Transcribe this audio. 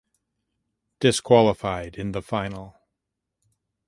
Disqualified in the final